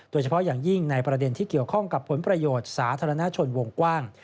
โดยเฉพาะอย่างยิ่งในประเด็นที่เกี่ยวข้องกับผลประโยชน์สาธารณชนวงกว้าง